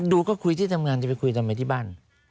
ดูก็คุยที่ทำงานจะไปคุยทำไมที่บ้าน